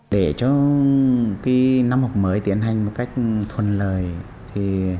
để cho năm học mới tiến hành một cách thuần lời